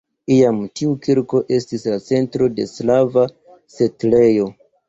Iam tiu kirko estis la centro de slava setlejo.